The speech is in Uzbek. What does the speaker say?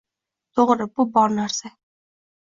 To`g`ri, bu bor narsa